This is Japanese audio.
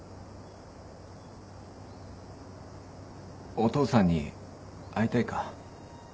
お父さんに会いたいか？